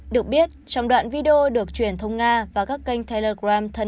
được biết trong đoạn video được truyền thông nga và các kênh taylor